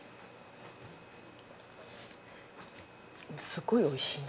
すごいおいしいな。